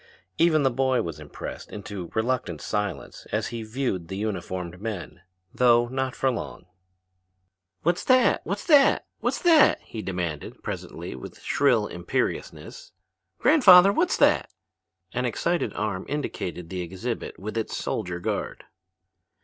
Even the boy was impressed into reluctant silence as he viewed the uniformed men, though not for long. "What's that, what's that, what's that?" he demanded presently with shrill imperiousness. "Grandfather, what's that?" An excited arm indicated the exhibit with its soldier guard.